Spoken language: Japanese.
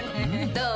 どう？